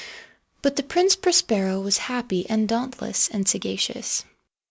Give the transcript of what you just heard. But the Prince Prospero was happy and dauntless and sagacious.